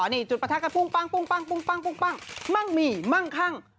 นี่จุดประทัดกันปุ้งมั่งมีมั่งข้าง